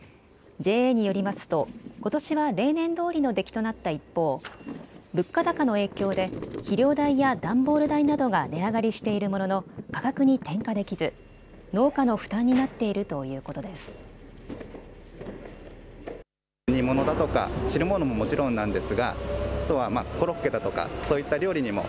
ＪＡによりますとことしは例年どおりの出来となった一方、物価高の影響で肥料代や段ボール代などが値上がりしているものの価格に転嫁できず農家の負担になっているということです。